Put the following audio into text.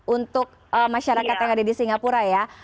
untuk masyarakat yang ada di singapura ya